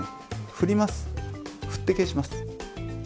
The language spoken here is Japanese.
振って消します。